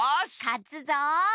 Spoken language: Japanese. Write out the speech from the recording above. かつぞ。